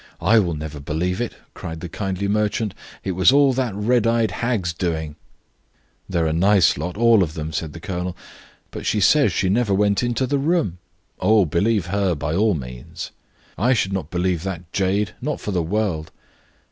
"I will never believe it," cried the kindly merchant; "it was all that red eyed hag's doing." "They are a nice lot, all of them," said the colonel. "But she says she never went into the room." "Oh, believe her by all means." "I should not believe that jade, not for the world."